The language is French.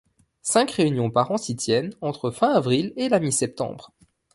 Cinq réunions par an s'y tiennent entre fin avril et la mi-septembre.